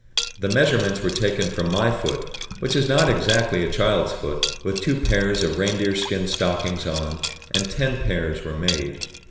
The measurements were taken from my foot, which is not exactly a child's foot, with two pairs of reindeer skin stockings on, and ten pairs were made.